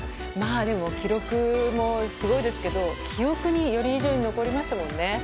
でも記録もすごいですけど記憶に、より以上に残りましたもんね。